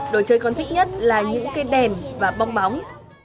đồ chơi còn thích nhất là những cây đèn và bong bóng